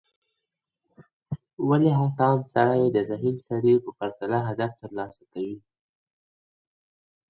ولي هڅاند سړی د ذهین سړي په پرتله هدف ترلاسه کوي؟